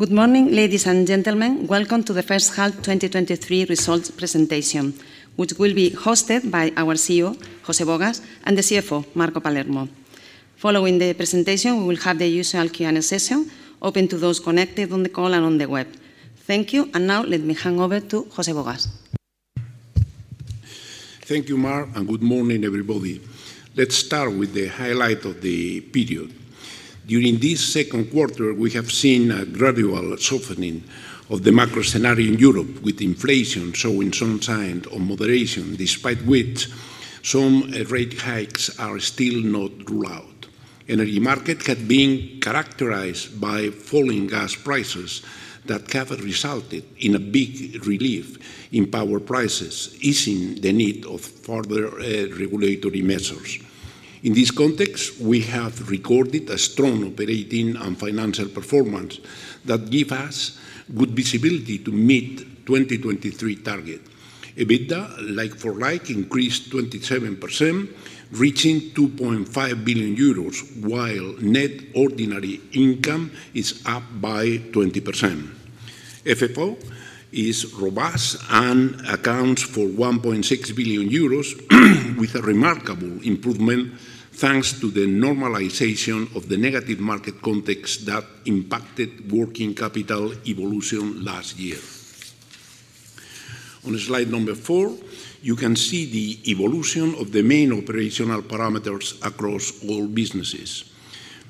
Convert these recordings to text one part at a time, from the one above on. Good morning, ladies and gentlemen. Welcome to the first half 2023 results presentation, which will be hosted by our CEO, José Bogas, and the CFO, Marco Palermo. Following the presentation, we will have the usual Q&A session open to those connected on the call and on the web. Thank you. Now let me hand over to José Bogas. Thank you, Mar. Good morning, everybody. Let's start with the highlight of the period. During this second quarter, we have seen a gradual softening of the macro scenario in Europe, with inflation showing some signs of moderation, despite which some rate hikes are still not ruled out. Energy market had been characterized by falling gas prices that have resulted in a big relief in power prices, easing the need of further regulatory measures. In this context, we have recorded a strong operating and financial performance that give us good visibility to meet 2023 target. EBITDA, like for like, increased 27%, reaching 2.5 billion euros, while net ordinary income is up by 20%. FFO is robust and accounts for 1.6 billion euros, with a remarkable improvement, thanks to the normalization of the negative market context that impacted working capital evolution last year. On slide number 4, you can see the evolution of the main operational parameters across all businesses.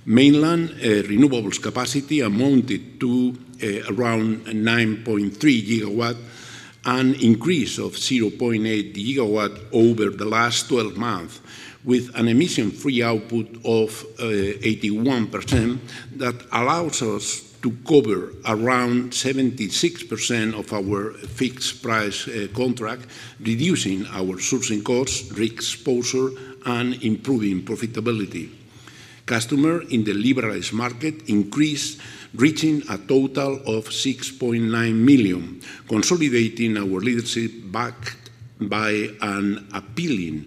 Mainland renewables capacity amounted to around 9.3 GW, an increase of 0.8 GW over the last 12 months, with an emission-free output of 81% that allows us to cover around 76% of our fixed-price contract, reducing our sourcing costs, risk exposure, and improving profitability. Customer in the liberalized market increased, reaching a total of 6.9 million, consolidating our leadership backed by an appealing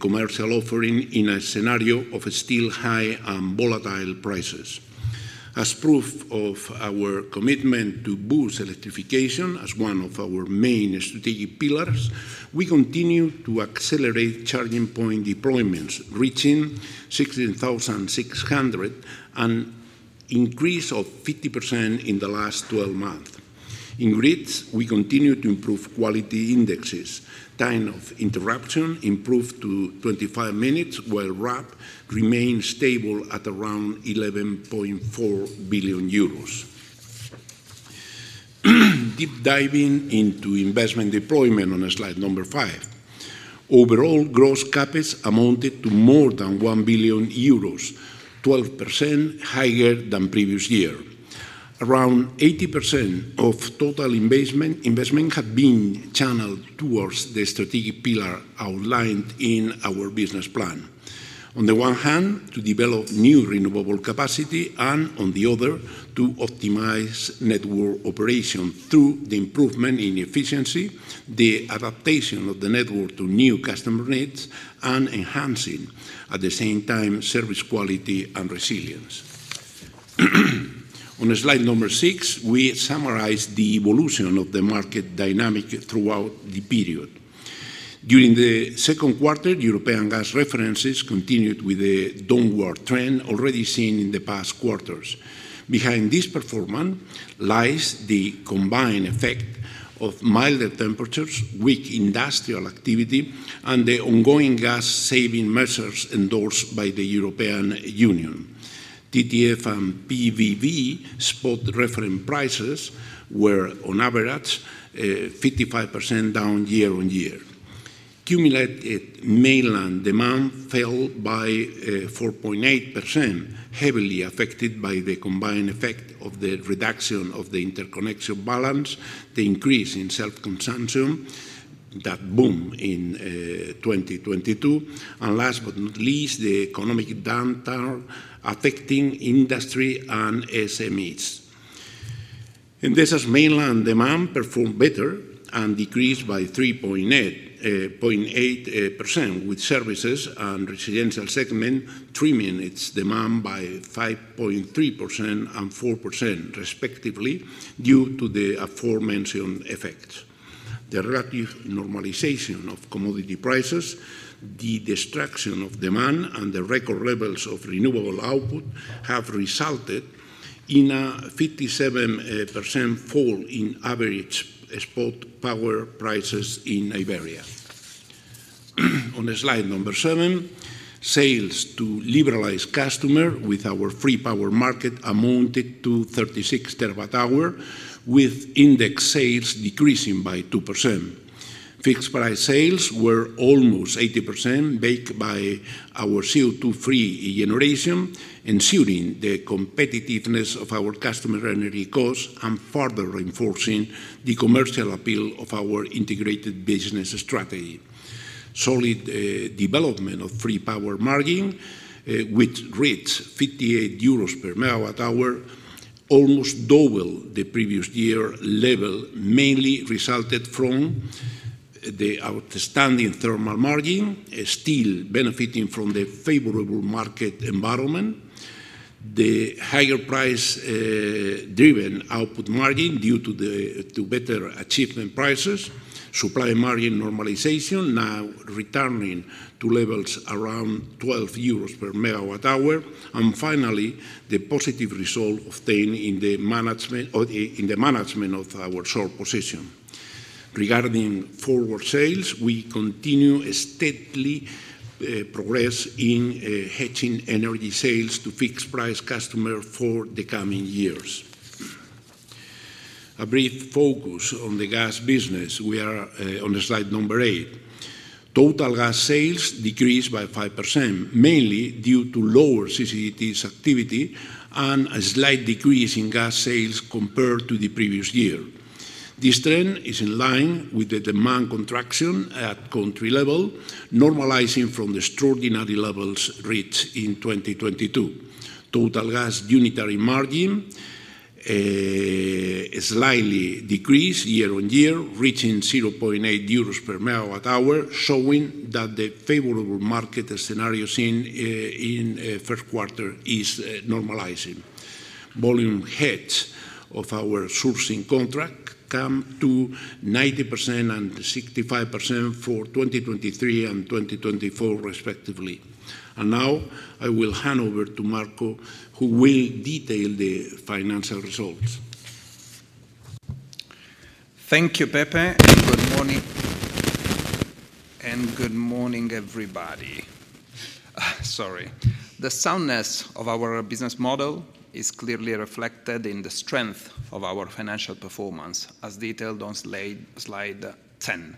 commercial offering in a scenario of still high and volatile prices. As proof of our commitment to boost electrification as one of our main strategic pillars, we continue to accelerate charging point deployments, reaching 16,600, an increase of 50% in the last 12 months. In grids, we continue to improve quality indexes. Time of interruption improved to 25 minutes, while RAB remains stable at around 11.4 billion euros. Deep diving into investment deployment on slide 5. Overall, gross CapEx amounted to more than 1 billion euros, 12% higher than previous year. Around 80% of total investment have been channeled towards the strategic pillar outlined in our business plan. On the one hand, to develop new renewable capacity, and on the other, to optimize network operation through the improvement in efficiency, the adaptation of the network to new customer needs, and enhancing, at the same time, service quality and resilience. On slide number six, we summarize the evolution of the market dynamic throughout the period. During the second quarter, European gas references continued with a downward trend already seen in the past quarters. Behind this performance lies the combined effect of milder temperatures, weak industrial activity, and the ongoing gas-saving measures endorsed by the European Union. TTF and PVB spot reference prices were, on average, 55% down year-on-year. Cumulated mainland demand fell by 4.8%, heavily affected by the combined effect of the reduction of the interconnection balance, the increase in self-consumption, that boom in 2022, and last but not least, the economic downturn affecting industry and SMEs. This as mainland demand performed better and decreased by 3.8%, with services and residential segment trimming its demand by 5.3% and 4% respectively, due to the aforementioned effects. The relative normalization of commodity prices, the destruction of demand, and the record levels of renewable output have resulted in a 57% fall in average spot power prices in Iberia. On slide number seven, sales to liberalized customer with our free power market amounted to 36 TWh, with index sales decreasing by 2%. Fixed-price sales were almost 80%, backed by our CO2-free generation, ensuring the competitiveness of our customer energy costs and further reinforcing the commercial appeal of our integrated business strategy. Solid development of free power margin, with grids 58 euros per MWh, almost double the previous year level, mainly resulted from. the outstanding thermal margin is still benefiting from the favorable market environment. The higher price driven output margin due to better achievement prices, supply margin normalization now returning to levels around EUR 12 per megawatt hour, and finally, the positive result obtained in the management of our short position. Regarding forward sales, we continue a steadily progress in hedging energy sales to fixed price customer for the coming years. A brief focus on the gas business. We are on slide number 8. Total gas sales decreased by 5%, mainly due to lower CCGT activity and a slight decrease in gas sales compared to the previous year. This trend is in line with the demand contraction at country level, normalizing from the extraordinary levels reached in 2022. Total gas unitary margin slightly decreased year-over-year, reaching 0.8 euros per megawatt hour, showing that the favorable market scenario seen in first quarter is normalizing. Volume hedge of our sourcing contract come to 90% and 65% for 2023 and 2024 respectively. Now, I will hand over to Marco, who will detail the financial results. Thank you, Pepe, good morning, everybody. Sorry. The soundness of our business model is clearly reflected in the strength of our financial performance, as detailed on slide 10.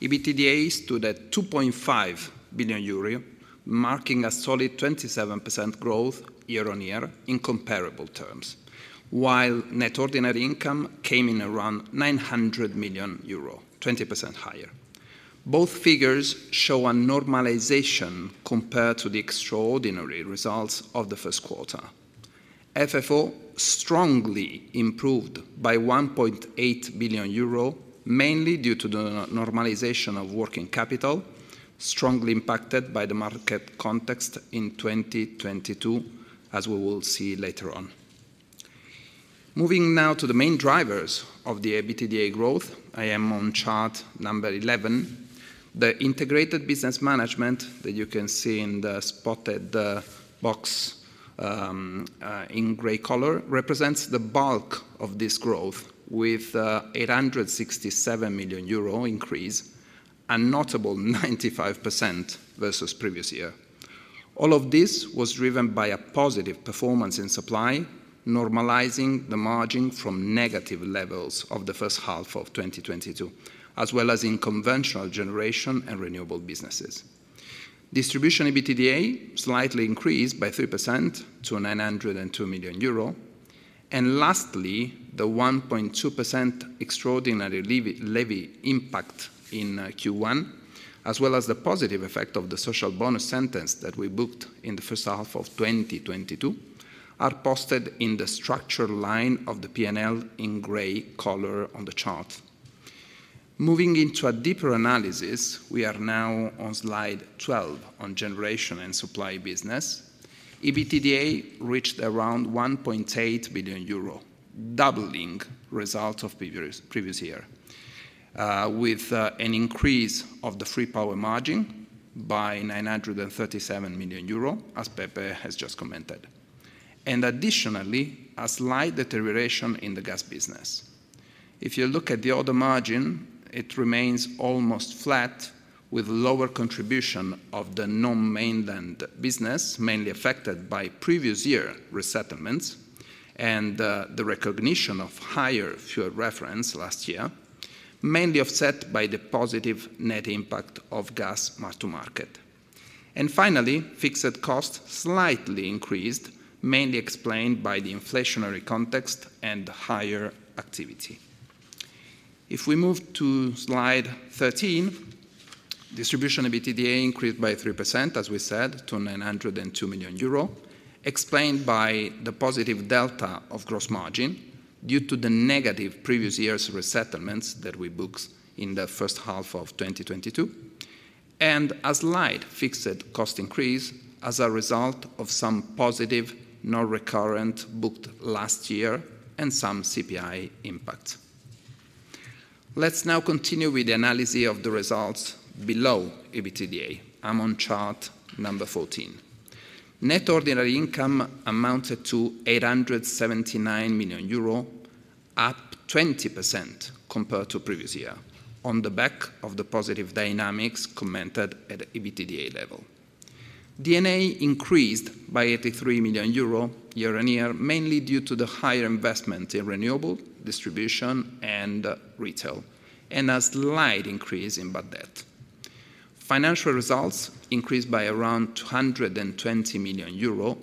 EBITDA is to the 2.5 billion euro, marking a solid 27% growth year-on-year in comparable terms, while net ordinary income came in around 900 million euro, 20% higher. Both figures show a normalization compared to the extraordinary results of the first quarter. FFO strongly improved by 1.8 billion euro, mainly due to the no- normalization of working capital, strongly impacted by the market context in 2022, as we will see later on. Moving now to the main drivers of the EBITDA growth, I am on chart number 11. The integrated business management, that you can see in the spotted box, in gray color, represents the bulk of this growth, with 867 million euro increase, a notable 95% versus previous year. All of this was driven by a positive performance in supply, normalizing the margin from negative levels of the first half of 2022, as well as in conventional generation and renewable businesses. Distribution EBITDA slightly increased by 3% to 902 million euro. Lastly, the 1.2% extraordinary levy impact in Q1, as well as the positive effect of the social bonus sentence that we booked in the first half of 2022, are posted in the structure line of the PNL in gray color on the chart. Moving into a deeper analysis, we are now on slide 12 on generation and supply business. EBITDA reached around 1.8 billion euro, doubling result of previous year, with an increase of the free power margin by 937 million euro, as Pepe has just commented. Additionally, a slight deterioration in the gas business. If you look at the other margin, it remains almost flat, with lower contribution of the non-mainland business, mainly affected by previous year resettlements and the recognition of higher fuel reference last year, mainly offset by the positive net impact of gas mark-to-market. Finally, fixed cost slightly increased, mainly explained by the inflationary context and higher activity. We move to slide 13, distribution EBITDA increased by 3%, as we said, to 902 million euro, explained by the positive delta of gross margin due to the negative previous year's resettlements that we booked in the first half of 2022, and a slight fixed cost increase as a result of some positive, non-recurrent booked last year and some CPI impact. Let's now continue with the analysis of the results below EBITDA. I'm on chart number 14. Net ordinary income amounted to 879 million euro, up 20% compared to previous year, on the back of the positive dynamics commented at EBITDA level. D&A increased by 83 million euro year-on-year, mainly due to the higher investment in renewable, distribution, and retail, and a slight increase in bad debt. Financial results increased by around 220 million euro,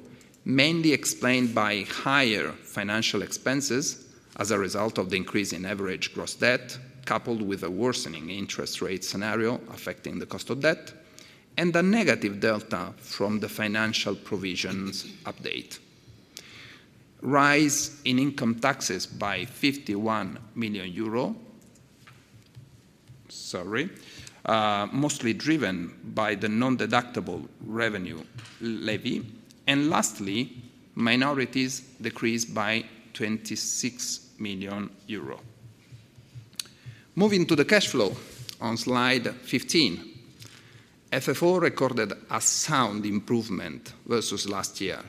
mainly explained by higher financial expenses as a result of the increase in average gross debt, coupled with a worsening interest rate scenario affecting the cost of debt, and a negative delta from the financial provisions update. Rise in income taxes by 51 million euro. Sorry, mostly driven by the non-deductible revenue levy. Lastly, minorities decreased by 26 million euro. Moving to the cash flow on slide 15, FFO recorded a sound improvement versus last year,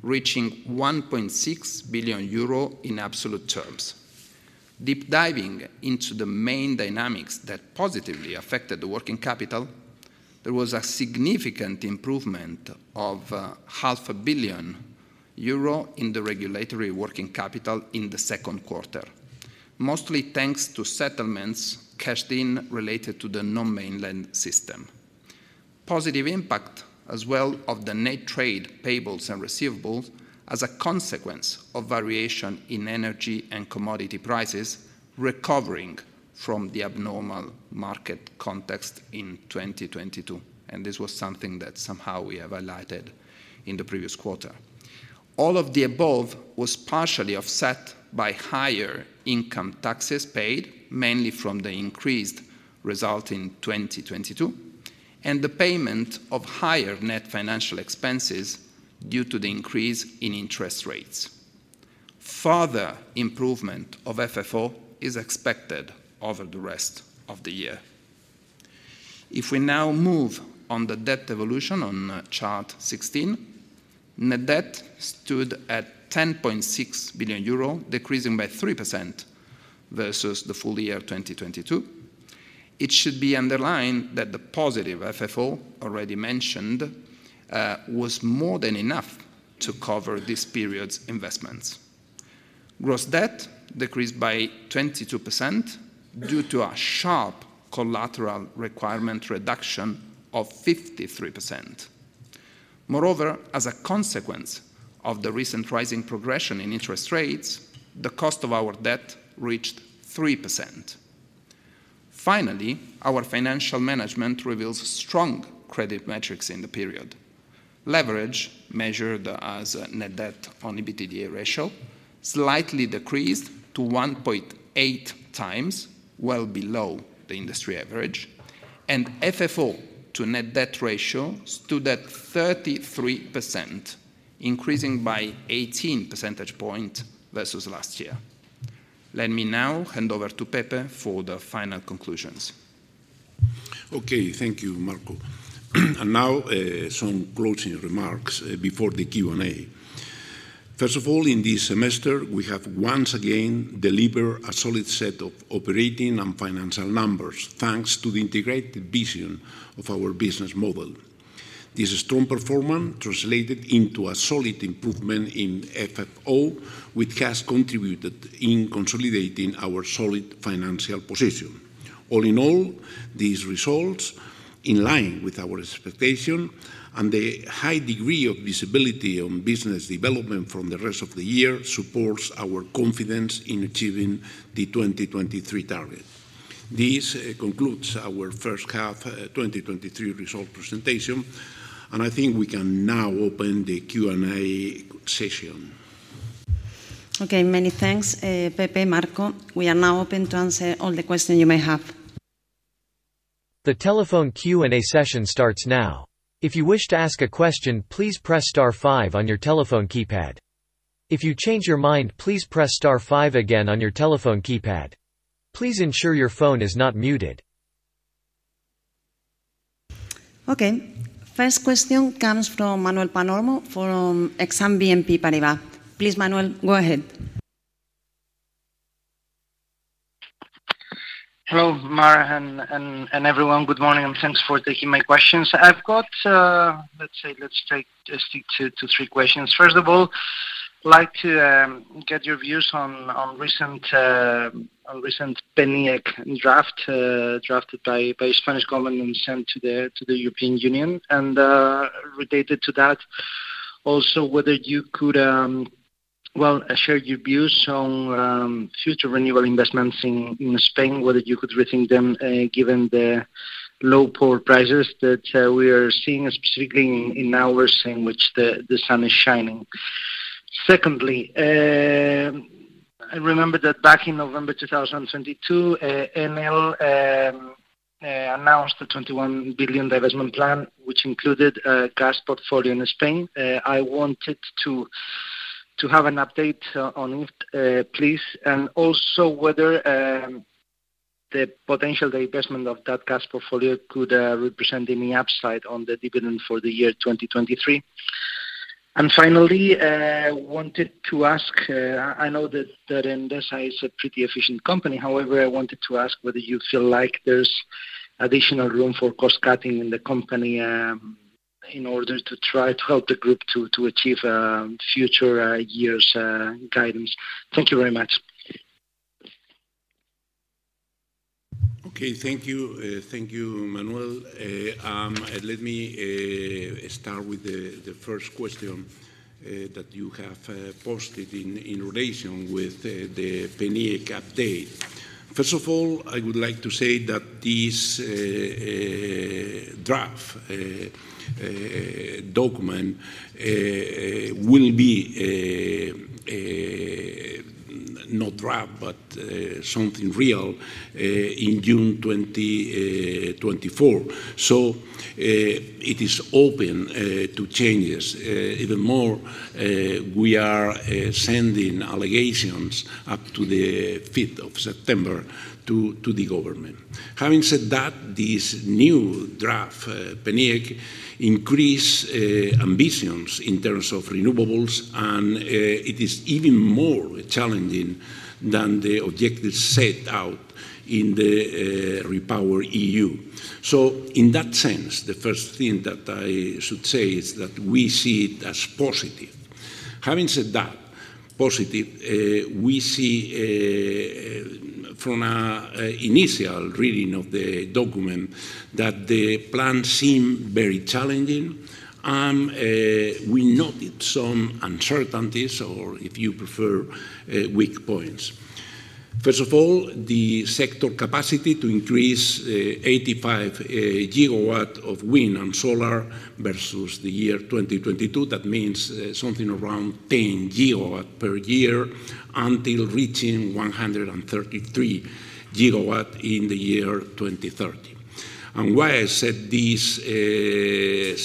reaching 1.6 billion euro in absolute terms. Deep diving into the main dynamics that positively affected the working capital, there was a significant improvement of half a billion EUR in the regulatory working capital in the second quarter, mostly thanks to settlements cashed in related to the non-mainland system. Positive impact as well of the net trade payables and receivables as a consequence of variation in energy and commodity prices, recovering from the abnormal market context in 2022. This was something that somehow we have highlighted in the previous quarter. All of the above was partially offset by higher income taxes paid, mainly from the increased result in 2022, and the payment of higher net financial expenses due to the increase in interest rates. Further improvement of FFO is expected over the rest of the year. If we now move on the debt evolution on chart 16, net debt stood at 10.6 billion euro, decreasing by 3% versus the full year of 2022. It should be underlined that the positive FFO, already mentioned, was more than enough to cover this period's investments. Gross debt decreased by 22% due to a sharp collateral requirement reduction of 53%. As a consequence of the recent rising progression in interest rates, the cost of our debt reached 3%. Our financial management reveals strong credit metrics in the period. Leverage, measured as net debt on EBITDA ratio, slightly decreased to 1.8x, well below the industry average, and FFO to net debt ratio stood at 33%, increasing by 18 percentage point versus last year. Let me now hand over to Pepe for the final conclusions. Okay. Thank you, Marco. Now, some closing remarks before the Q&A. First of all, in this semester, we have once again delivered a solid set of operating and financial numbers, thanks to the integrated vision of our business model. This strong performance translated into a solid improvement in FFO, which has contributed in consolidating our solid financial position. All in all, these results, in line with our expectation and the high degree of visibility on business development from the rest of the year, supports our confidence in achieving the 2023 target. This concludes our first half 2023 result presentation, I think we can now open the Q&A session. Okay, many thanks, Pepe, Marco. We are now open to answer all the questions you may have. The telephone Q&A session starts now. If you wish to ask a question, please press star 5 on your telephone keypad. If you change your mind, please press star 5 again on your telephone keypad. Please ensure your phone is not muted. First question comes from Manuel Palomo from Exane BNP Paribas. Please, Manuel, go ahead. Hello, Mar and everyone. Good morning, and thanks for taking my questions. I've got. Let's say, let's take just two to three questions. First of all, I'd like to get your views on recent PNIEC draft drafted by Spanish government and sent to the European Union. Related to that, also, whether you could, well, share your views on future renewable investments in Spain, whether you could rethink them given the low power prices that we are seeing, specifically in hours in which the sun is shining. Secondly, I remember that back in November 2022, ENEL announced a 21 billion divestment plan, which included a gas portfolio in Spain. I wanted to have an update on it, please, and also whether the potential divestment of that gas portfolio could represent any upside on the dividend for the year 2023. Finally, I wanted to ask, I know that Endesa is a pretty efficient company. However, I wanted to ask whether you feel like there's additional room for cost-cutting in the company, in order to try to help the group to achieve future years guidance. Thank you very much. Okay. Thank you. Thank you, Manuel. Let me start with the first question that you have posted in relation with the PNIEC update. First of all, I would like to say that this draft document will be not draft, but something real, in June 2024. It is open to changes. Even more, we are sending allegations up to the 5th of September to the government. Having said that, this new draft PNIEC, increase ambitions in terms of renewables, and it is even more challenging than the objectives set out in the REPowerEU. In that sense, the first thing that I should say is that we see it as positive. Having said that, positive, we see, from a initial reading of the document, that the plan seem very challenging, and, we noted some uncertainties, or if you prefer, weak points. First of all, the sector capacity to increase 85 GW of wind and solar versus the year 2022. That means, something around 10 GW per year until reaching 133 GW in the year 2030. Why I said this,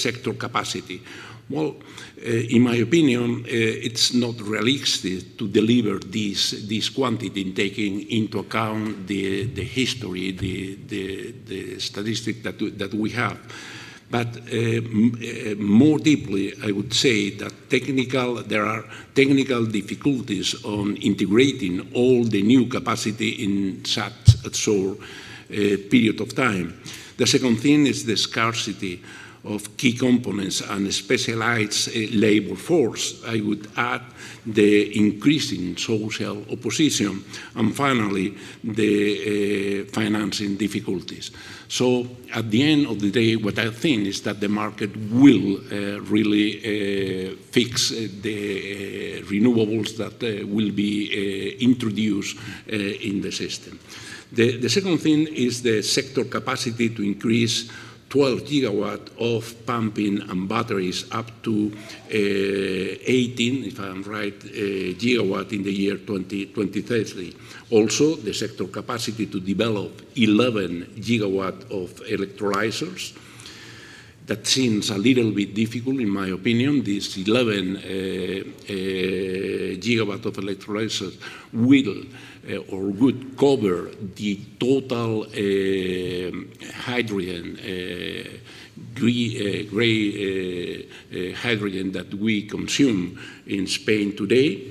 sector capacity? Well, in my opinion, it's not realistic to deliver this quantity, taking into account the history, the statistic that we have. More deeply, I would say that there are technical difficulties on integrating all the new capacity in such a short period of time. The second thing is the scarcity of key components and specialized labor force. I would add the increasing social opposition, and finally, the financing difficulties. At the end of the day, what I think is that the market will really fix the renewables that will be introduced in the system. The second thing is the sector capacity to increase 12 gigawatt of pumping and batteries up to 18, if I'm right, gigawatt in the year 2030. Also, the sector capacity to develop 11 gigawatt of electrolyzers. That seems a little bit difficult, in my opinion. This 11 of electrolyzers will or would cover the total hydrogen gray hydrogen that we consume in Spain today.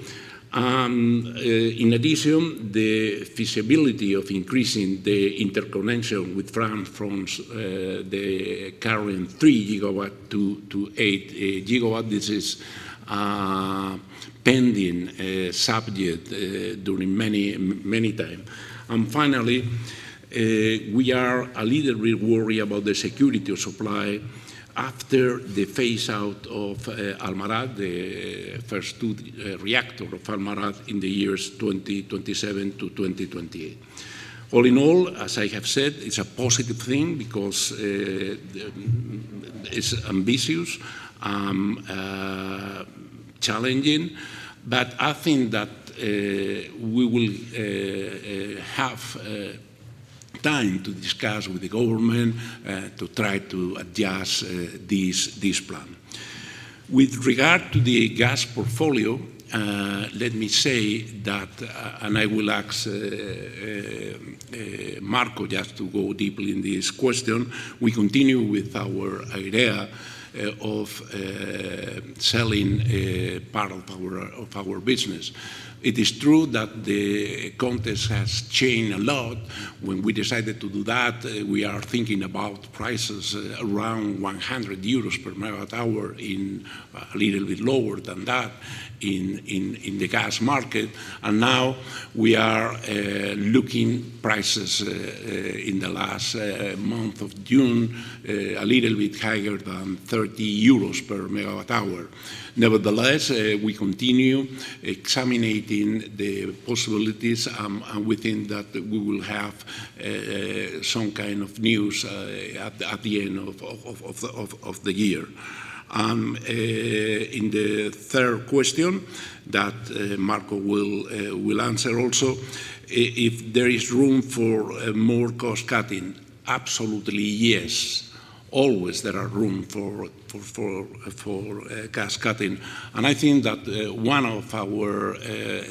In addition, the feasibility of increasing the interconnection with France from the current 3 GW to 8 GW, this is pending subject during many time. Finally, we are a little bit worried about the security of supply after the phase-out of Almaraz, the first two reactor of Almaraz in the years 2027 to 2028. All in all, as I have said, it's a positive thing because it's ambitious, challenging, I think that we will have time to discuss with the government to try to adjust this plan. With regard to the gas portfolio, let me say that, and I will ask Marco just to go deeper in this question, we continue with our idea of selling a part of our business. It is true that the context has changed a lot. When we decided to do that, we are thinking about prices around 100 euros per MWh in a little bit lower than that in the gas market, and now we are looking prices in the last month of June a little bit higher than 30 euros per MWh. Nevertheless, we continue examining the possibilities, and within that, we will have some kind of news at the end of the year. In the third question that Marco will answer also, if there is room for more cost-cutting? Absolutely, yes. Always there are room for cost-cutting, I think that one of our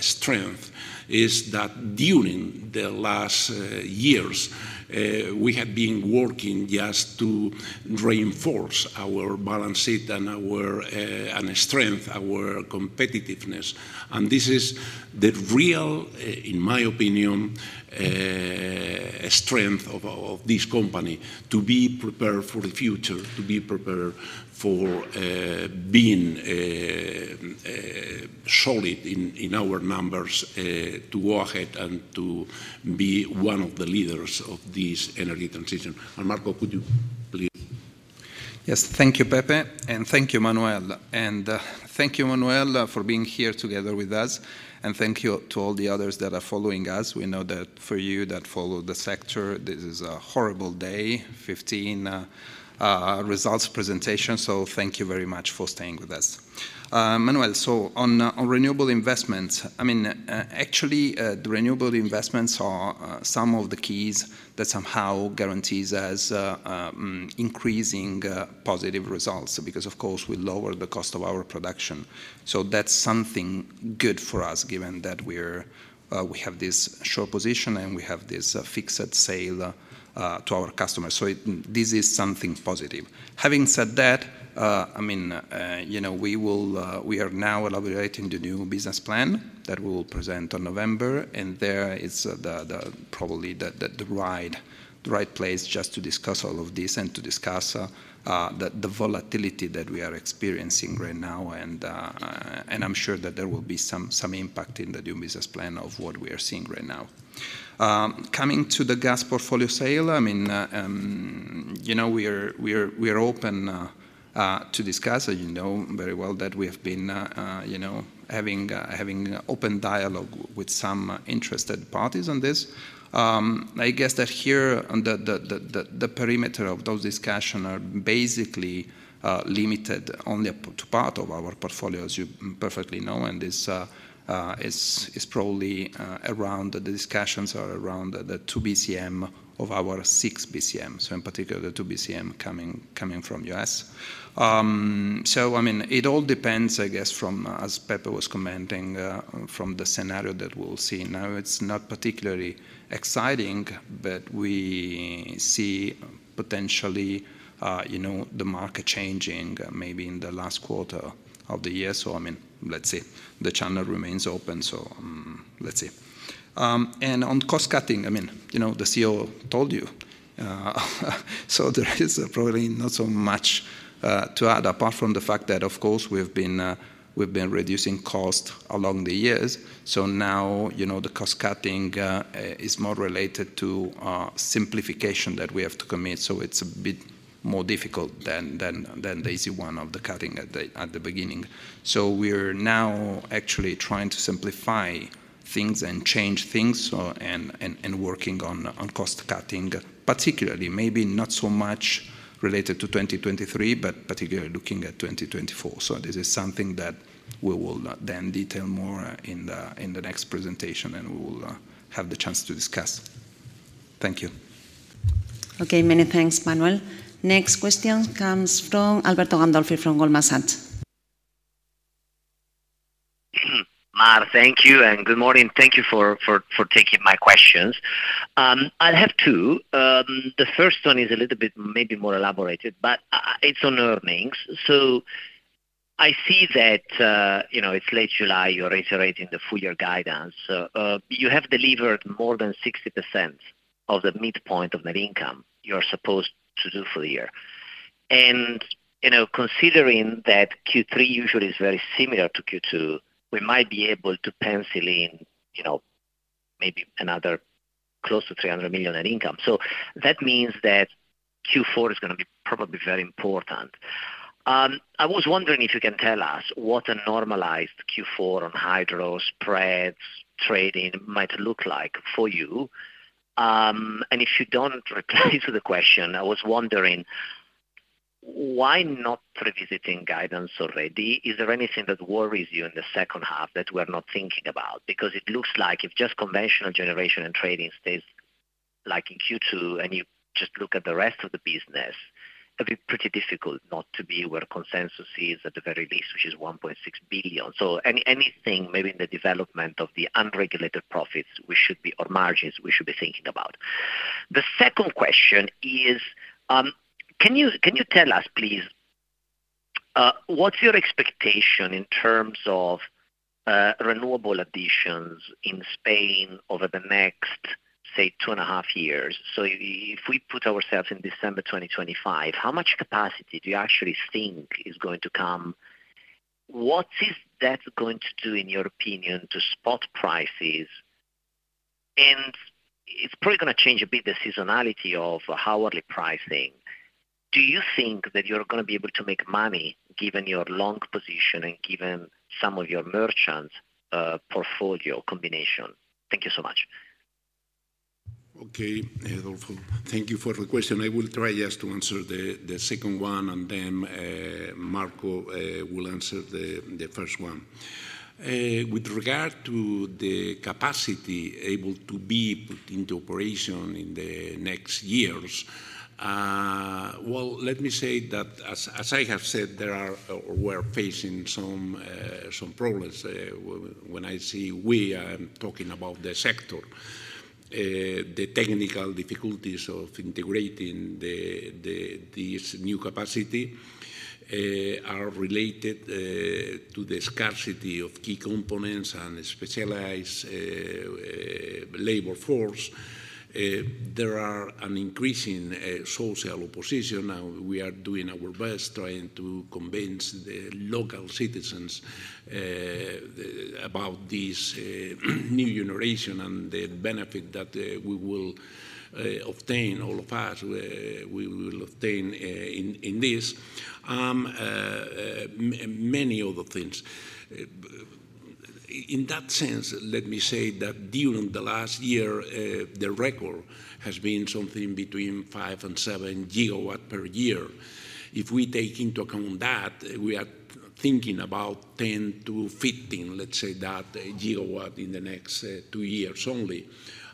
strength is that during the last years, we have been working just to reinforce our balance sheet and our and strength, our competitiveness. This is the real, in my opinion, strength of this company: to be prepared for the future, to be prepared for being solid in our numbers, to go ahead and to be one of the leaders of this energy transition. Marco, could you please? Thank you, Pepe, and thank you, Manuel. Thank you, Manuel, for being here together with us, and thank you to all the others that are following us. We know that for you that follow the sector, this is a horrible day, 15 results presentation. Thank you very much for staying with us. Manuel, on renewable investments, I mean, actually, the renewable investments are some of the keys that somehow guarantees us increasing positive results, because, of course, we lower the cost of our production. That's something good for us, given that we have this short position, and we have this fixed sale to our customers. This is something positive. Having said that, I mean, you know, we will, we are now elaborating the new business plan that we will present on November, and there is the, probably the right place just to discuss all of this and to discuss the volatility that we are experiencing right now. I'm sure that there will be some impact in the new business plan of what we are seeing right now. Coming to the gas portfolio sale, I mean, you know, we are open to discuss. As you know very well, that we have been, you know, having open dialogue with some interested parties on this. I guess that here on the perimeter of those discussion are basically limited only up to part of our portfolio, as you perfectly know, and this is probably around. The discussions are around the 2 BCM of our 6 BCMs, so in particular, the 2 BCM coming from U.S. I mean, it all depends, I guess, from, as Pepe was commenting, from the scenario that we'll see. Now, it's not particularly exciting, but we see potentially, you know, the market changing maybe in the last quarter of the year. I mean, let's see. The channel remains open, let's see. On cost-cutting, I mean, you know, the CEO told you. There is probably not so much to add, apart from the fact that, of course, we've been reducing cost along the years. Now, you know, the cost-cutting is more related to simplification that we have to commit, so it's a bit more difficult than the easy one of the cutting at the beginning. We are now actually trying to simplify things and change things, working on cost-cutting, particularly, maybe not so much related to 2023, but particularly looking at 2024. This is something that we will then detail more in the next presentation, and we will have the chance to discuss. Thank you. Many thanks, Manuel. Next question comes from Alberto Gandolfi from Goldman Sachs. Mar, thank you, and good morning. Thank you for taking my questions. I'll have two. The first one is a little bit, maybe more elaborated, but it's on earnings. I see that, you know, it's late July, you're reiterating the full year guidance. You have delivered more than 60% of the midpoint of net income you're supposed to do for the year. You know, considering that Q3 usually is very similar to Q2, we might be able to pencil in, you know, maybe another close to 300 million net income. That means that Q4 is gonna be probably very important. I was wondering if you can tell us what a normalized Q4 on hydro spreads trading might look like for you? If you don't reply to the question, I was wondering, why not revisiting guidance already? Is there anything that worries you in the second half that we're not thinking about? Because it looks like if just conventional generation and trading stays like in Q2, and you just look at the rest of the business, it'll be pretty difficult not to be where consensus is at the very least, which is 1.6 billion. Anything, maybe in the development of the unregulated profits, we should be... or margins, we should be thinking about. The second question is, can you tell us, please, what's your expectation in terms of renewable additions in Spain over the next, say, 2.5 years? If we put ourselves in December 2025, how much capacity do you actually think is going to come? What is that going to do, in your opinion, to spot prices? It's probably gonna change a bit, the seasonality of hourly pricing. Do you think that you're gonna be able to make money, given your long position and given some of your merchants, portfolio combination? Thank you so much. Okay, Gandolfi, thank you for the question. I will try, yes, to answer the second one. Marco will answer the first one. With regard to the capacity able to be put into operation in the next years, well, let me say that as I have said, there are we are facing some problems. When I say we, I am talking about the sector. The technical difficulties of integrating this new capacity are related to the scarcity of key components and specialized labor force. There are an increasing social opposition. We are doing our best trying to convince the local citizens about this new generation and the benefit that we will obtain, all of us, in this. Many other things, in that sense, let me say that during the last year, the record has been something between 5 and 7 gigawatt per year. If we take into account that, we are thinking about 10-15 gigawatt in the next 2 years only.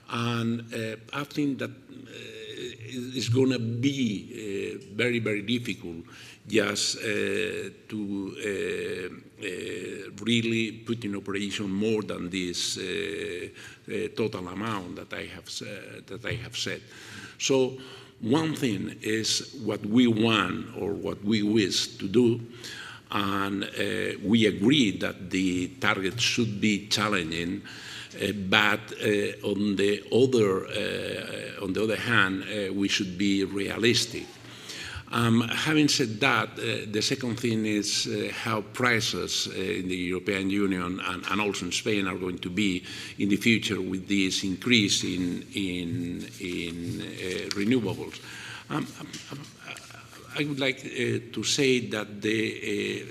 I think that it's gonna be very, very difficult just to really put in operation more than this total amount that I have said. One thing is what we want or what we wish to do, and we agreed that the target should be challenging. On the other hand, we should be realistic. Having said that, the second thing is how prices in the European Union and also in Spain are going to be in the future with this increase in renewables. I would like to say that the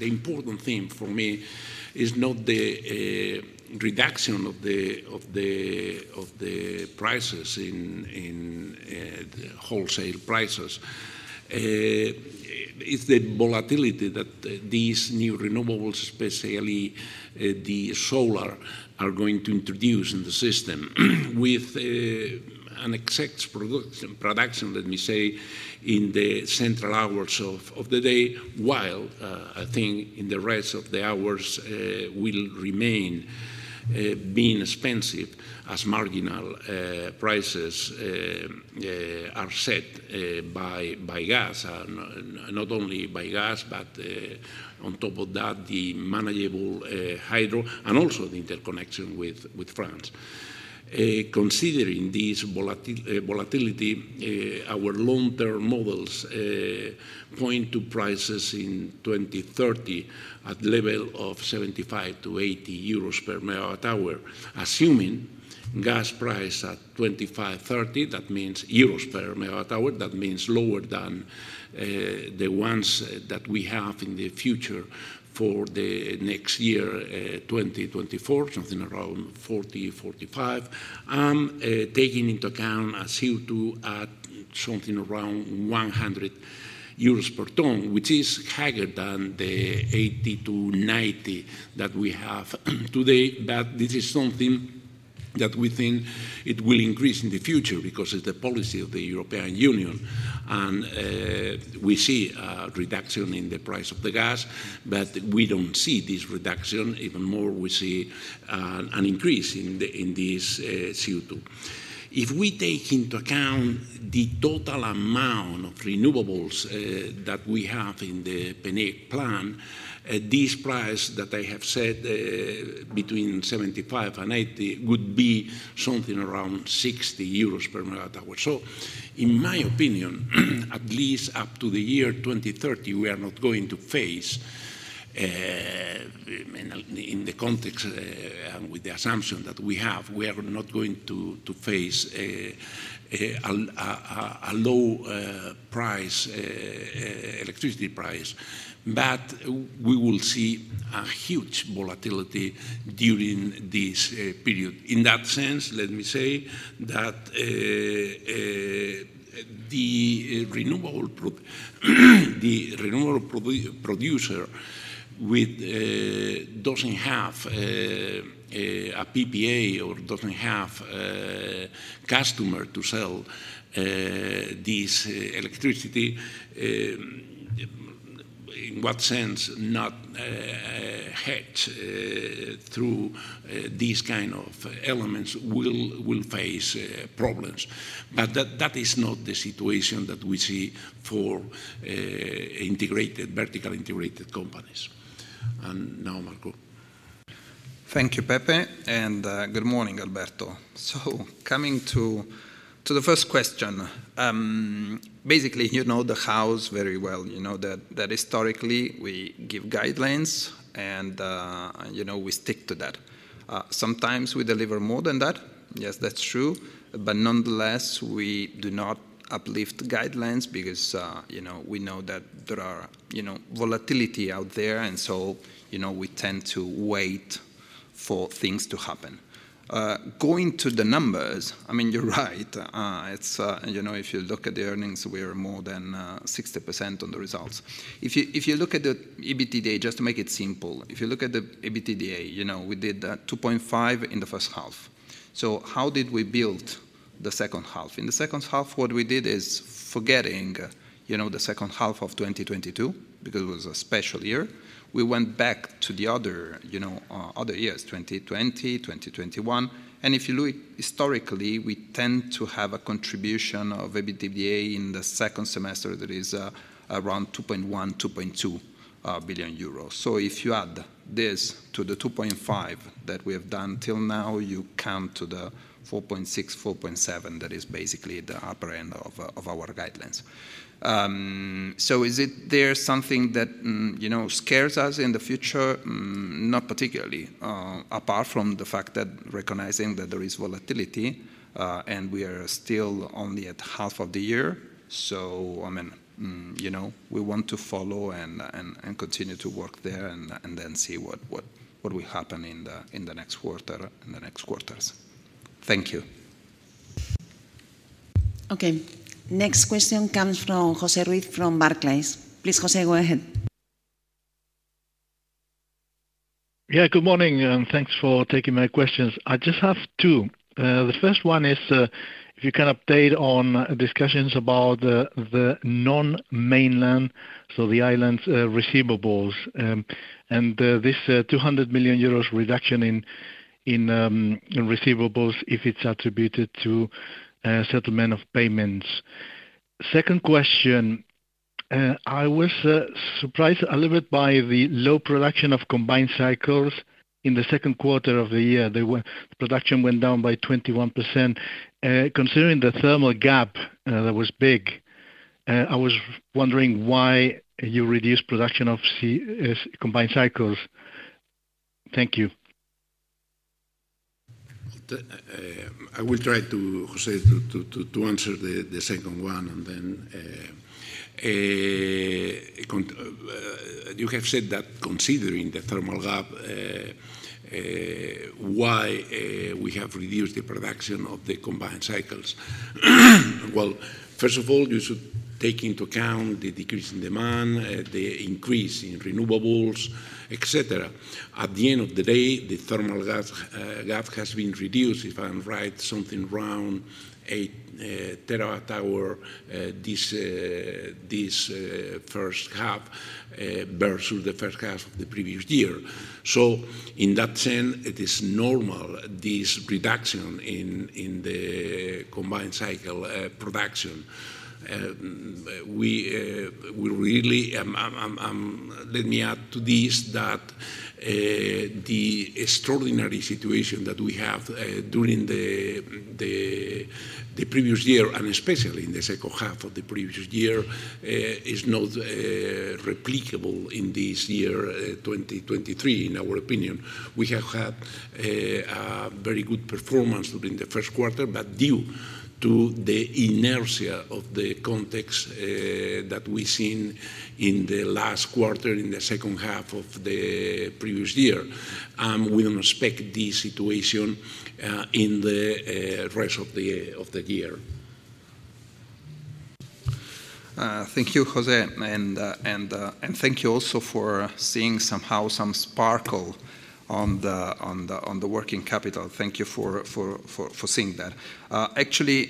important thing for me is not the reduction of the prices in the wholesale prices. It's the volatility that these new renewables, especially the solar, are going to introduce in the system with an excess production, let me say, in the central hours of the day, while I think in the rest of the hours will remain being expensive as marginal prices are set by gas. Not only by gas, but on top of that, the manageable hydro, and also the interconnection with France. Considering this volatility, our long-term models point to prices in 2030 at level of 75-80 euros per megawatt hour. Assuming gas price at 25-30, that means euros per megawatt hour, that means lower than the ones that we have in the future for the next year, 2024, something around 40-45. Taking into account a CO2 at something around 100 euros per tonne, which is higher than the 80-90 that we have today. This is something that we think it will increase in the future because it's the policy of the European Union. We see a reduction in the price of the gas, but we don't see this reduction. Even more, we see an increase in this CO2. If we take into account the total amount of renewables that we have in the PNIEC plan, this price that I have said, between 75 and 80, would be something around 60 euros per megawatt hour. So in my opinion, at least up to the year 2030, we are not going to face in the context and with the assumption that we have, we are not going to face a low electricity price. But we will see a huge volatility during this period. In that sense, let me say that the renewable producer with... doesn't have a PPA or doesn't have customer to sell this electricity in what sense, not hedged through these kind of elements, will face problems. That is not the situation that we see for integrated, vertically integrated companies. Now, Marco. Thank you, Pepe, good morning, Alberto. Coming to the first question, basically, you know the house very well. You know that historically, we give guidelines, you know, we stick to that. Sometimes we deliver more than that. Yes, that's true. Nonetheless, we do not uplift guidelines because, you know, we know that there are, you know, volatility out there, we tend to wait for things to happen. Going to the numbers, I mean, you're right. It's, you know, if you look at the earnings, we are more than 60% on the results. If you look at the EBITDA, just to make it simple, if you look at the EBITDA, you know, we did 2.5 in the first half. How did we build the second half? In the second half, what we did is forgetting, you know, the second half of 2022, because it was a special year. We went back to the other, you know, other years, 2020, 2021. If you look historically, we tend to have a contribution of EBITDA in the second semester that is around 2.1 billion-2.2 billion euros. If you add this to the 2.5 that we have done till now, you come to the 4.6-4.7, that is basically the upper end of our guidelines. Is it there something that, you know, scares us in the future? Not particularly, apart from the fact that recognizing that there is volatility, and we are still only at half of the year. I mean, you know, we want to follow and continue to work there, and then see what will happen in the next quarter, in the next quarters. Thank you. Okay, next question comes from Jose Ruiz from Barclays. Please, Jose, go ahead. Yeah, good morning, thanks for taking my questions. I just have two. The first one is, if you can update on discussions about the non-mainland, so the islands' receivables, and this 200 million euros reduction in receivables, if it's attributed to settlement of payments. Second question, I was surprised a little bit by the low production of combined cycles in the second quarter of the year. Production went down by 21%. Considering the thermal gap that was big, I was wondering why you reduced production of combined cycles. Thank you. The I will try to, Jose, to answer the second one. You have said that considering the thermal gap, why we have reduced the production of the combined cycles? Well, first of all, you should take into account the decrease in demand, the increase in renewables, et cetera. At the end of the day, the thermal gap has been reduced, if I'm right, something around 8 TWh this first half versus the first half of the previous year. In that sense, it is normal, this reduction in the combined cycle production. We really, let me add to this, that the extraordinary situation that we have during the previous year, especially in the second half of the previous year, is not replicable in this year, 2023, in our opinion. We have had a very good performance during the first quarter, due to the inertia of the context that we've seen in the last quarter, in the second half of the previous year. We don't expect this situation in the rest of the year. Thank you, Jose, and thank you also for seeing somehow some sparkle on the working capital. Thank you for seeing that. Actually,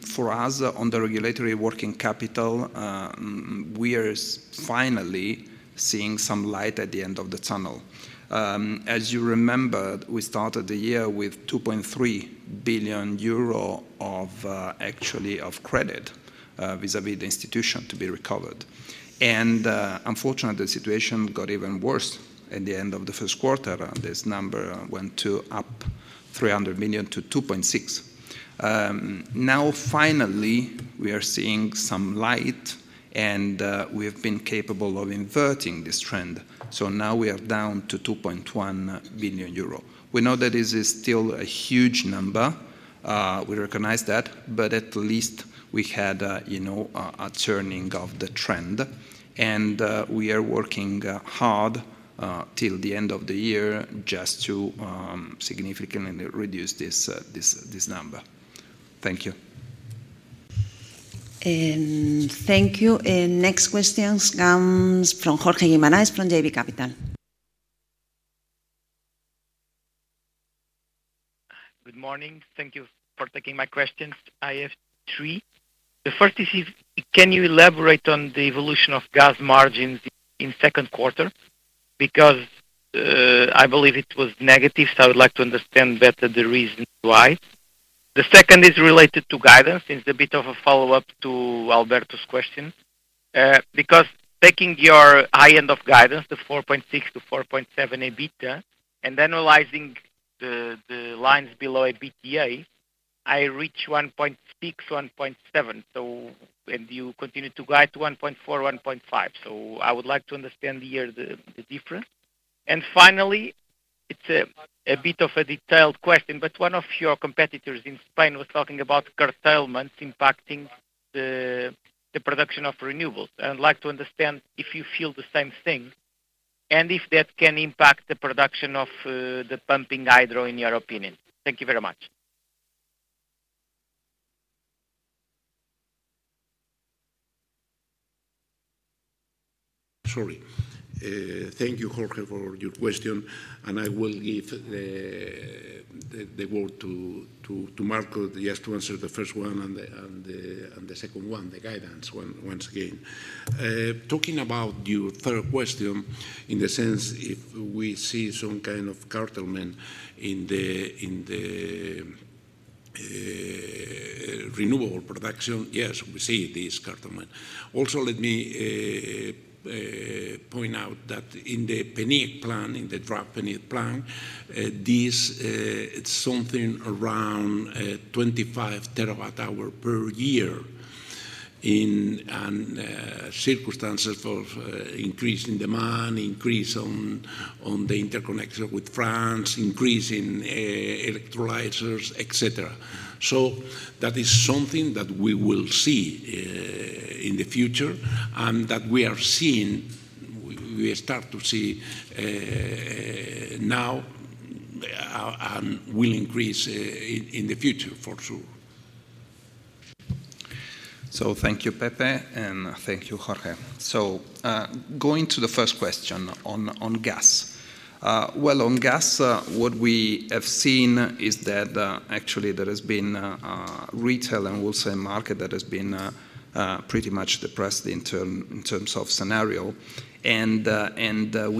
for us, on the regulatory working capital, we are finally seeing some light at the end of the tunnel. As you remember, we started the year with 2.3 billion euro of actually of credit vis-à-vis the institution to be recovered. Unfortunately, the situation got even worse at the end of the first quarter. This number went to up 300 million to 2.6 billion. Now, finally, we are seeing some light, we have been capable of inverting this trend. Now we are down to 2.1 billion euro. We know that this is still a huge number, we recognize that, but at least we had, you know, a turning of the trend. We are working hard till the end of the year just to significantly reduce this number. Thank you. Thank you. Next question comes from Jorge Guimaraes, from JB Capital. Good morning. Thank you for taking my questions. I have three. The first is, can you elaborate on the evolution of gas margins in second quarter? Because I believe it was negative, so I would like to understand better the reason why. The second is related to guidance. It's a bit of a follow-up to Alberto's question. Because taking your high end of guidance, the 4.6-4.7 EBITDA, and then analyzing the lines below EBITDA, I reach 1.6, 1.7. You continue to guide to 1.4, 1.5. I would like to understand here the difference. Finally, it's a bit of a detailed question, but one of your competitors in Spain was talking about curtailments impacting the production of renewables. I would like to understand if you feel the same thing, and if that can impact the production of the pumping hydro, in your opinion. Thank you very much. Sorry. Thank you, Jorge, for your question, and I will give the word to Marco. He has to answer the first one and the second one, the guidance one, once again. Talking about your third question, in the sense if we see some kind of curtailment in the renewable production, yes, we see this curtailment. Also, let me point out that in the PNIEC plan, in the draft PNIEC plan, this it's something around 25 terawatt-hour per year in, and circumstances of increase in demand, increase on the interconnection with France, increase in electrolyzers, et cetera. That is something that we will see in the future and that we are seeing... we start to see, now, and will increase, in the future, for sure. Thank you, Pepe, and thank you, Jorge. Going to the first question on gas. Well, on gas, what we have seen is that actually, there has been a retail and wholesale market that has been pretty much depressed in terms of scenario. We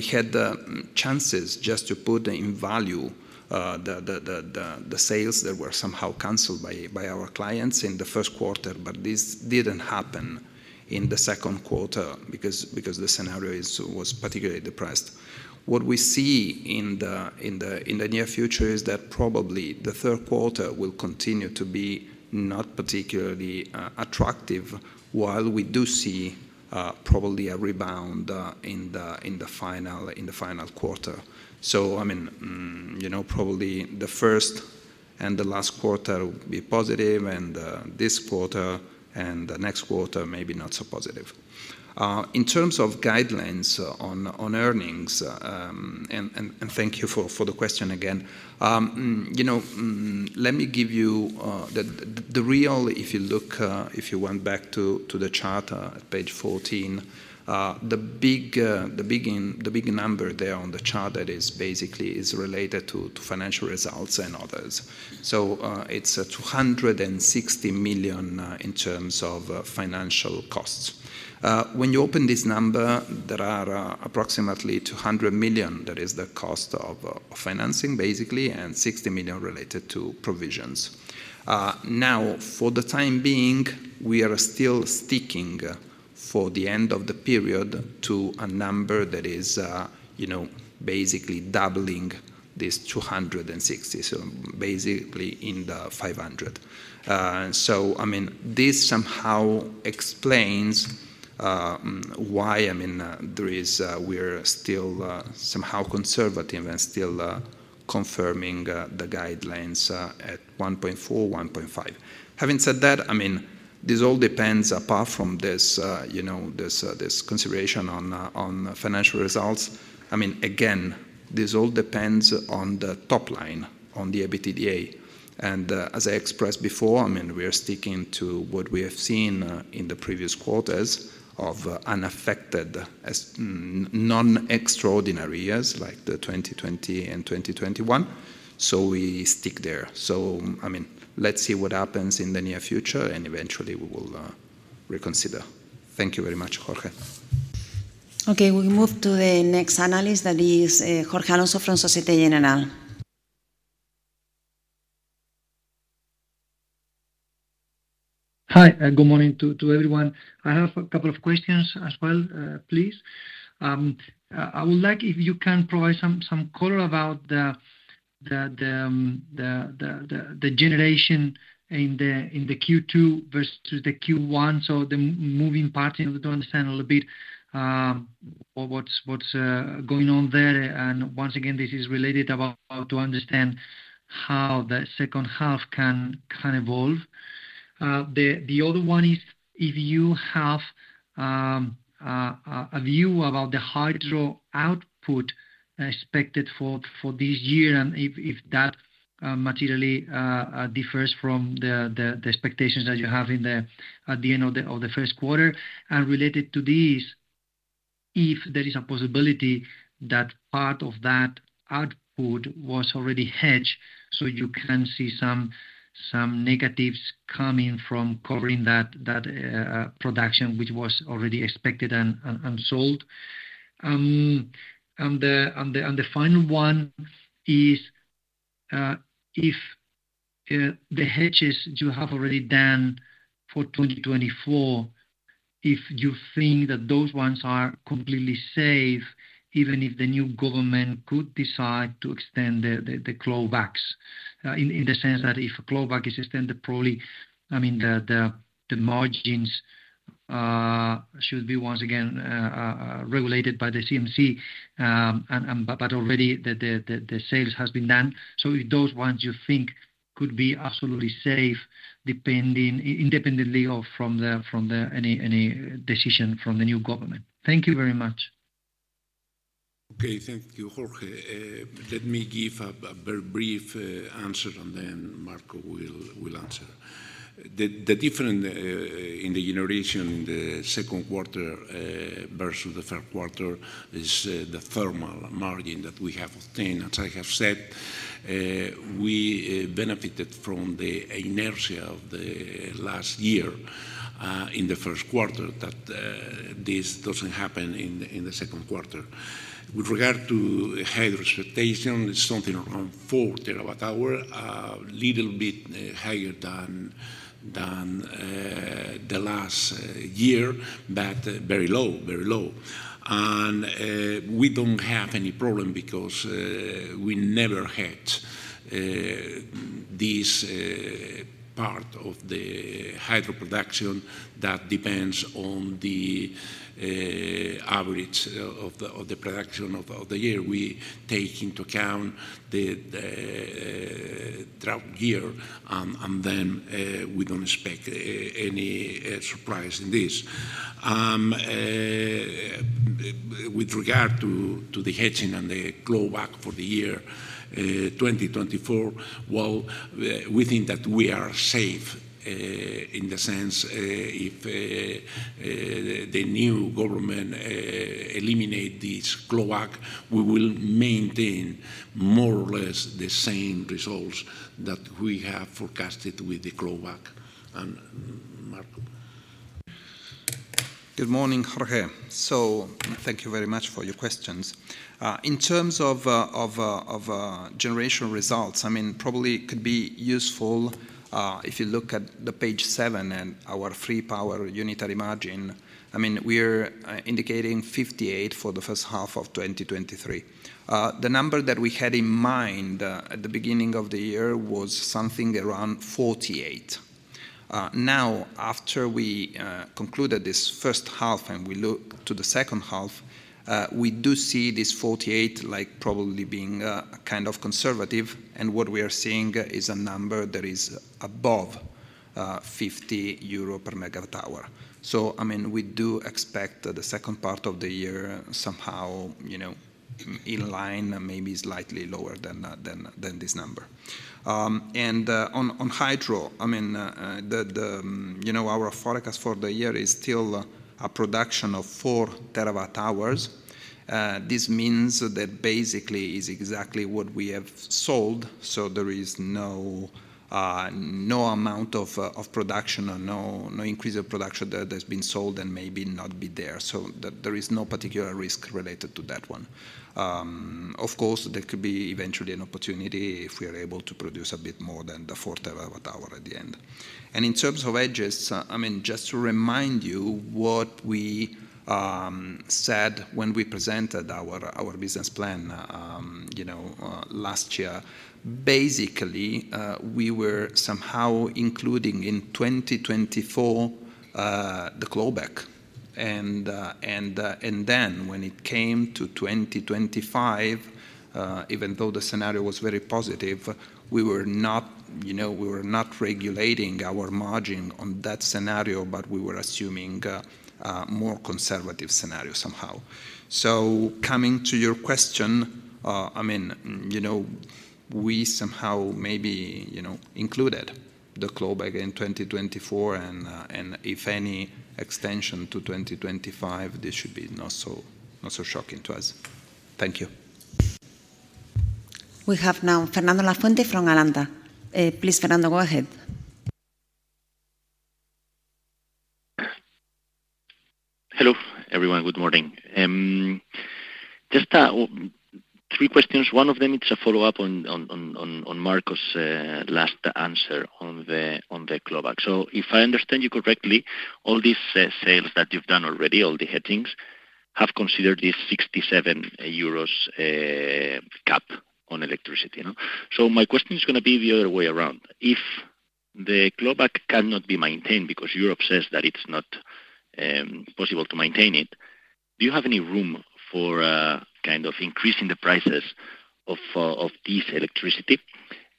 had the chances just to put in value the sales that were somehow canceled by our clients in the first quarter, but this didn't happen in the second quarter because the scenario was particularly depressed. What we see in the near future is that probably the third quarter will continue to be not particularly attractive, while we do see probably a rebound in the final quarter. I mean, you know, probably the first and the last quarter will be positive, and this quarter and the next quarter, maybe not so positive. In terms of guidelines on earnings, thank you for the question again. You know, let me give you the real... If you look, if you went back to the chart, page 14, the big the big number there on the chart, that is basically is related to financial results and others. It's 260 million in terms of financial costs. When you open this number, there are approximately 200 million, that is the cost of financing, basically, and 60 million related to provisions. Now, for the time being, we are still sticking for the end of the period, to a number that is, you know, basically doubling this 260. Basically in the 500. I mean, this somehow explains why, I mean, there is we're still somehow conservative and still confirming the guidelines at 1.4, 1.5. Having said that, I mean, this all depends, apart from this, you know, this consideration on financial results. I mean, again, this all depends on the top line, on the EBITDA. As I expressed before, I mean, we are sticking to what we have seen in the previous quarters of unaffected, as non-extraordinary years, like the 2020 and 2021. We stick there. I mean, let's see what happens in the near future, and eventually we will reconsider. Thank you very much, Jorge. Okay, we move to the next analyst, that is, Jorge Alonso from Société Générale. Hi, good morning to everyone. I have a couple of questions as well, please. I would like if you can provide some color about the generation in the Q2 versus the Q1, so moving parts, to understand a little bit what's going on there. Once again, this is related about how to understand how the second half can evolve. The other one is, if you have a view about the hydro output expected for this year, and if that materially differs from the expectations that you have at the end of the first quarter. Related to this, if there is a possibility that part of that output was already hedged, you can see some negatives coming from covering that production, which was already expected and sold. The final one is if the hedges you have already done for 2024, if you think that those ones are completely safe, even if the new government could decide to extend the clawbacks. In the sense that if a clawback is extended, probably, I mean, the margins should be once again regulated by the CNMC. Already the sales has been done. If those ones you think could be absolutely safe, depending, independently of, from the, any decision from the new government. Thank you very much. Okay. Thank you, Jorge. Let me give a very brief answer, and then Marco will answer. The different in the generation in the second quarter versus the third quarter is the thermal margin that we have obtained. As I have said, we benefited from the inertia of the last year, in the first quarter, that this doesn't happen in the second quarter. With regard to hydro expectation, it's something around 4 TWh, a little bit higher than the last year, but very low. We don't have any problem because we never hedged this part of the hydro production that depends on the average of the production of the year. We take into account the drought year, then we don't expect any surprise in this. With regard to the hedging and the clawback for the year 2024, well, we think that we are safe in the sense, if the new government eliminate this clawback, we will maintain more or less the same results that we have forecasted with the clawback. Marco? Good morning, Jorge. Thank you very much for your questions. In terms of generational results, I mean, probably it could be useful, if you look at the page seven and our free power unitary margin. I mean, we're indicating 58 for the first half of 2023. The number that we had in mind at the beginning of the year was something around 48. Now, after we concluded this first half and we look to the second half, we do see this 48, like, probably being kind of conservative, and what we are seeing is a number that is above 50 euro per MWh. I mean, we do expect the second part of the year somehow, you know, in line, maybe slightly lower than this number. On hydro, I mean, you know, our forecast for the year is still a production of 4 TWh. This means that basically is exactly what we have sold, so there is no amount of production or no increase of production that has been sold and maybe not be there, so that there is no particular risk related to that one. Of course, there could be eventually an opportunity if we are able to produce a bit more than the 4 TWh at the end. In terms of hedges, I mean, just to remind you what we said when we presented our business plan, you know, last year, basically, we were somehow including in 2024 the clawback. Then when it came to 2025, even though the scenario was very positive, we were not, you know, we were not regulating our margin on that scenario, but we were assuming a more conservative scenario somehow. Coming to your question, I mean, you know, we somehow maybe, you know, included the clawback in 2024, and if any extension to 2025, this should be not so, not so shocking to us. Thank you. We have now Fernando Lafuente from Alantra. Please, Fernando, go ahead. Hello, everyone. Good morning. Just three questions. One of them is a follow-up on Marco's last answer on the clawback. If I understand you correctly, all these sales that you've done already, all the hedgings, have considered this 67 euros cap on electricity, you know? My question is gonna be the other way around. If the clawback cannot be maintained because Europe says that it's not possible to maintain it, do you have any room for kind of increasing the prices of this electricity?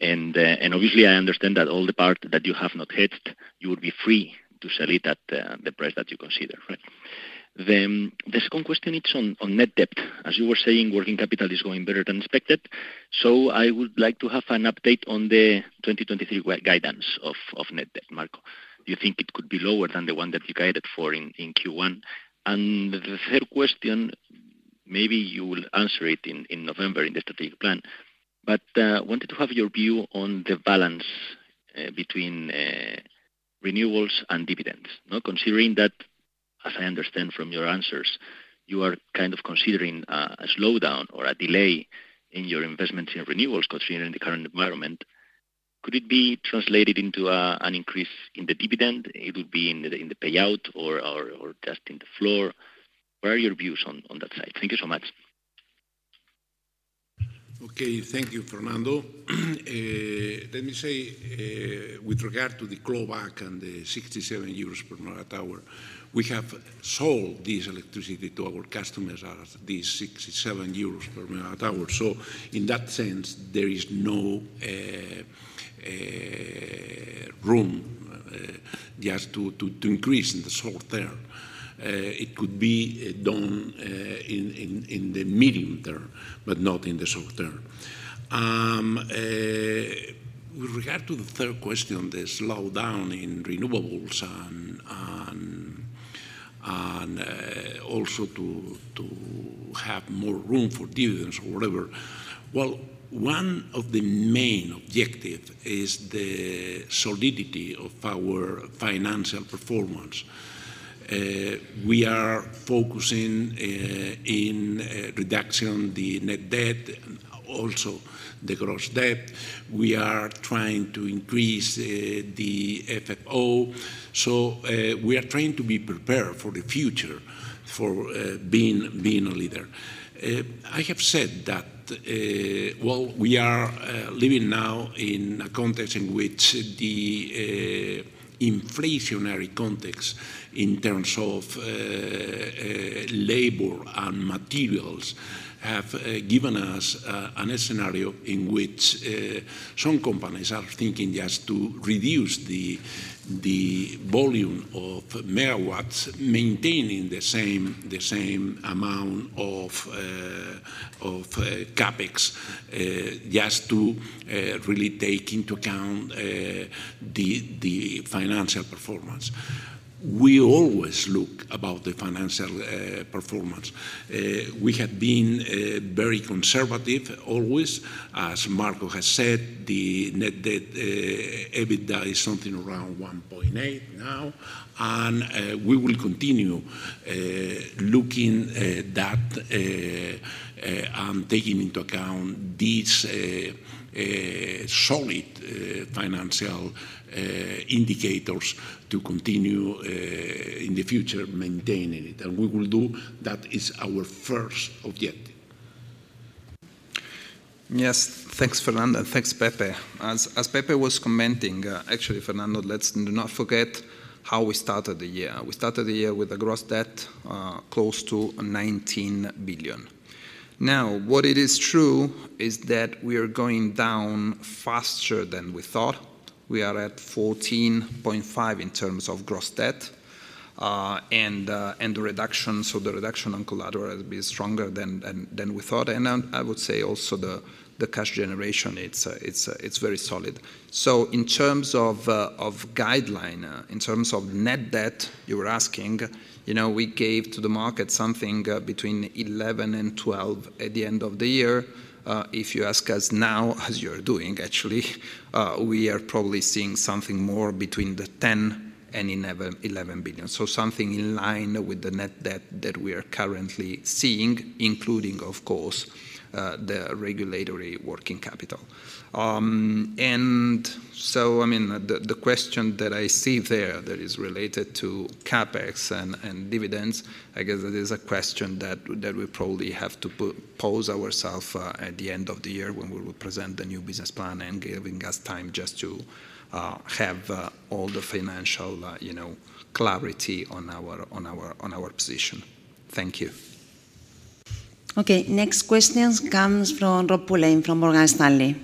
And obviously, I understand that all the part that you have not hedged, you would be free to sell it at the price that you consider, right? The second question, it's on net debt. As you were saying, working capital is going better than expected. I would like to have an update on the 2023 guidance of net debt, Marco. Do you think it could be lower than the one that you guided for in Q1? The third question, maybe you will answer it in November, in the strategic plan, but wanted to have your view on the balance between renewals and dividends, no? Considering that, as I understand from your answers, you are kind of considering a slowdown or a delay in your investments in renewals considering the current environment. Could it be translated into an increase in the dividend? It would be in the payout or just in the floor. What are your views on that side? Thank you so much. Okay. Thank you, Fernando. Let me say, with regard to the clawback and the 67 euros per MWh, we have sold this electricity to our customers at these 67 euros per MWh. In that sense, there is no room just to increase in the short term. It could be done in the medium term, but not in the short term. With regard to the third question, the slowdown in renewables and also to have more room for dividends or whatever, well, one of the main objective is the solidity of our financial performance. We are focusing in reduction the net debt, also the gross debt. We are trying to increase the FFO. We are trying to be prepared for the future, for being a leader. I have said that, well, we are living now in a context in which the inflationary context in terms of labor and materials have given us an scenario in which some companies are thinking just to reduce the volume of megawatts, maintaining the same amount of CapEx, just to really take into account the financial performance. We always look about the financial performance. We have been very conservative always. As Marco has said, the net debt, EBITDA is something around 1.8 now, and we will continue looking that and taking into account these solid financial indicators to continue in the future, maintaining it. We will do, that is our first objective. Yes. Thanks, Fernando, and thanks, Pepe. As Pepe was commenting, actually, Fernando, let's do not forget how we started the year. We started the year with a gross debt close to 19 billion. Now, what it is true is that we are going down faster than we thought. We are at 14.5 billion in terms of gross debt, and the reduction, so the reduction on collateral has been stronger than we thought. Then I would say also the cash generation, it's very solid. In terms of guideline, in terms of net debt, you were asking, you know, we gave to the market something between 11 billion and 12 billion at the end of the year. If you ask us now, as you are doing, actually, we are probably seeing something more between 10 billion and 11 billion. Something in line with the net debt that we are currently seeing, including, of course, the regulatory working capital. I mean, the question that I see there that is related to CapEx and dividends, I guess that is a question that we probably have to pose ourself at the end of the year when we will present the new business plan and giving us time just to have all the financial, you know, clarity on our position. Thank you. Okay, next question comes from Rob Pulleyn from Morgan Stanley.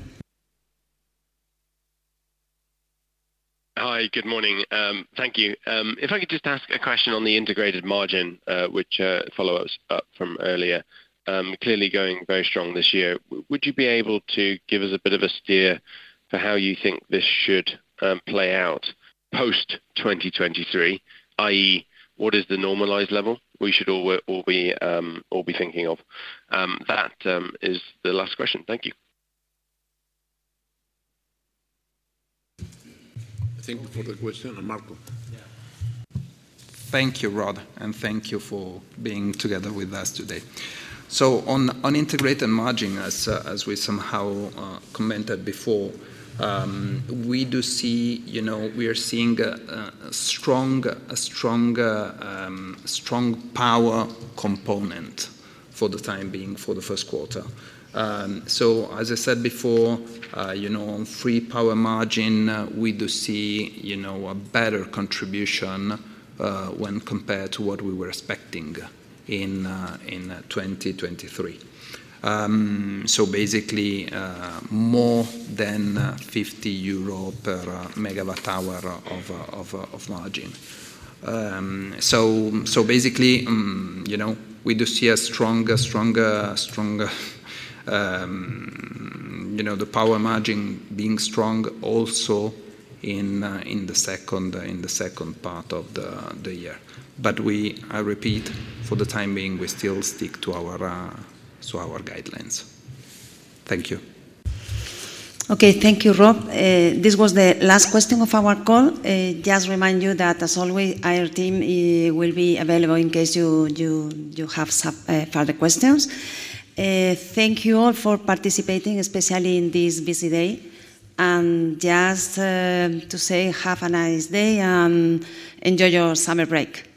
Hi, good morning. Thank you. If I could just ask a question on the integrated margin, which follow us up from earlier. Clearly going very strong this year. Would you be able to give us a bit of a steer for how you think this should play out post 2023, i.e., what is the normalized level we should all be thinking of? That is the last question. Thank you. I think for the question, Marco. Yeah. Thank you, Rob, thank you for being together with us today. On integrated margin, as we somehow commented before, we do see, you know, we are seeing a stronger strong power component for the time being, for the first quarter. As I said before, you know, on free power margin, we do see, you know, a better contribution when compared to what we were expecting in 2023. Basically, more than EUR 50 per megawatt hour of margin. Basically, you know, the power margin being strong also in the second part of the year. We, I repeat, for the time being, we still stick to our to our guidelines. Thank you. Okay, thank you, Rob. This was the last question of our call. Just remind you that, as always, our team, will be available in case you have some, further questions. Thank you all for participating, especially in this busy day. Just, to say have a nice day, and enjoy your summer break.